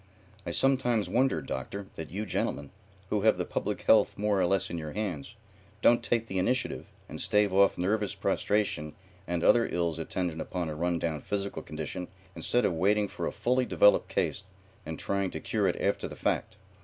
I sometimes wonder, Doctor, that you gentlemen, who have the public health more or less in your hands, don't take the initiative and stave off nervous prostration and other ills attendant upon a run down physical condition instead of waiting for a fully developed case and trying to cure it after the fact.